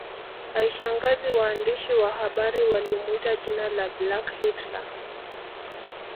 Haishangazi waandishi wa habari walimwita jina la Black Hitler